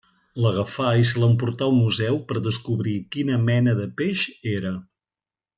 L'agafà i se l'emportà al museu per descobrir quina mena de peix era.